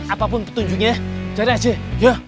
apapun petunjuknya cari aja